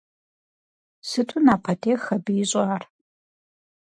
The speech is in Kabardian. Сыту напэтех абы ищӏар.